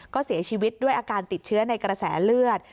ก็เสียชีวิตด้วยอาการติดเชื้อในกระแสเลือด